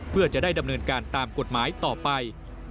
เพื่อจะได้ดำเนินการตามกฎหมายต่อไป